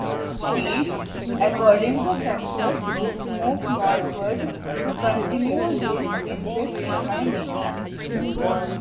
Steel, according to census, moved northward to continue his interest in mining.